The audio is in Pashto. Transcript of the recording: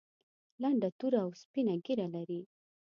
لنډه توره او سپینه ږیره لري.